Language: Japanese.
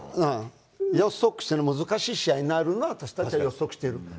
予測したら難しい試合になるのは確かに予測している。